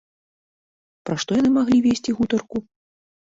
Пра што яны маглі весці гутарку?